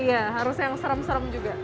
iya harus yang serem serem juga